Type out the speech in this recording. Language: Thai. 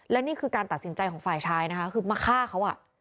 และนี่คือการตัดสินใจของฝ่ายชายนะคะคือมาฆ่าเขา